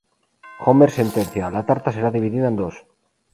Homer sentencia: "La tarta será dividida en dos.